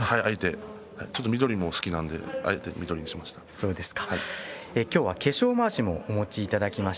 緑も好きなので緑にしました。